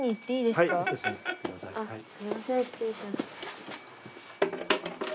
すみません失礼します。